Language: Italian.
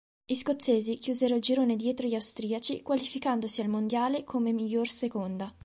Gli scozzesi chiusero il girone dietro gli austriaci, qualificandosi al Mondiale come miglior seconda.